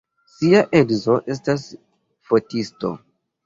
Ŝia edzo estas fotisto.